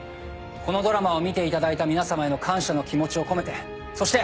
このドラマを見ていただいた皆さまへの感謝の気持ちを込めてそして